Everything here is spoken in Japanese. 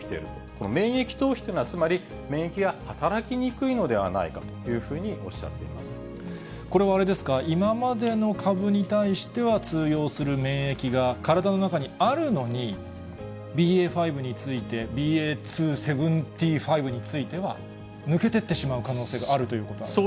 この免疫逃避というのはつまり免疫が働きにくいのではないかといこれはあれですか、今までの株に対しては、通用する免疫が、体の中にあるのに、ＢＡ．５について、ＢＡ．２．７５については、抜けてってしまう可能性があるということなんですね。